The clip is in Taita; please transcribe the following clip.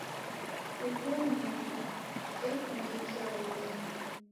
Ughu mudi yekundikia ghudemo.